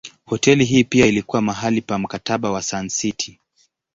Hoteli hii pia ilikuwa mahali pa Mkataba wa Sun City.